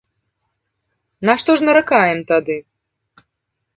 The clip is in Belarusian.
На што ж наракаем тады?